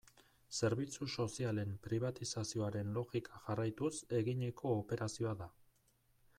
Zerbitzu sozialen pribatizazioaren logika jarraituz eginiko operazioa da.